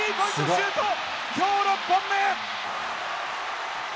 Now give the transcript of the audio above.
シュート、きょう６本目。